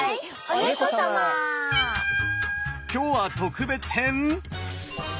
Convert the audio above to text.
今日は特別編⁉おっ！